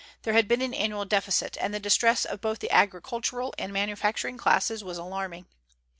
There had been an annual deficit, and the distress of both the agricultural and manufacturing classes was alarming.